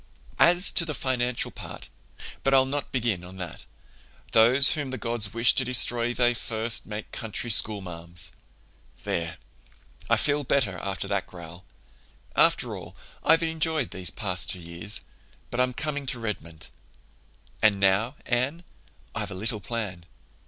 "As to the financial part—but I'll not begin on that. Those whom the gods wish to destroy they first make country schoolmarms! "There, I feel better, after that growl. After all, I've enjoyed these past two years. But I'm coming to Redmond. "And now, Anne, I've a little plan.